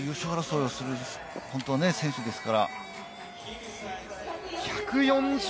優勝争いをする選手ですから。